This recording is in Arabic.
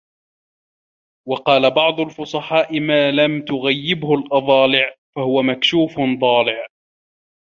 وَقَالَ بَعْضُ الْفُصَحَاءِ مَا لَمْ تُغَيِّبْهُ الْأَضَالِعُ فَهُوَ مَكْشُوفٌ ضَائِعٌ